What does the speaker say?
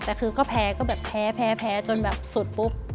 แต่คือก็แพ้ก็แบบแพ้จนแบบสุดปุ๊บ